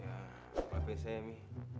ya apa sih saya mi